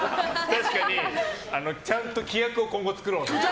確かにちゃんと規約を今後作ろう。